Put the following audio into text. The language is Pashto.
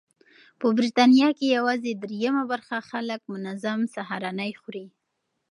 په بریتانیا کې یوازې درېیمه برخه خلک منظم سهارنۍ خوري.